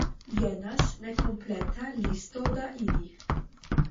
Jenas nekompleta listo da ili.